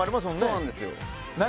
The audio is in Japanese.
そうなんですよ